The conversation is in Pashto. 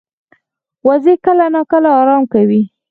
وزې کله ناکله آرام کوي